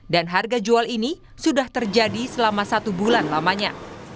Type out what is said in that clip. dan harga jual ini sudah terjadi selama satu bulan lamanya